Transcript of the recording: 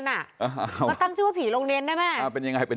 ให้ตั้งศารให้หน่อยค่ะ